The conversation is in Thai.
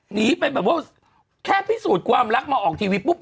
หนีไปแบบว่าแค่พิสูจน์ความรักมาออกทีวีปุ๊บ